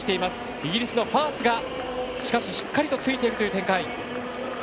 イギリスのファースがしっかりとついているという展開。